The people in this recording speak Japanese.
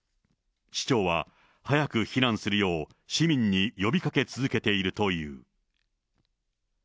市長は早く避難するよう、市民に呼びかけ続けているという。